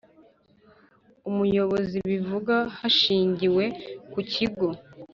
Umuyobozi bivuga hashingiwe ku kigo